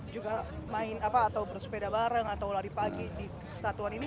juga main apa atau bersepeda bareng atau lari pagi di satuan ini